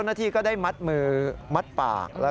ตอนแรกก็ไม่แน่ใจนะคะ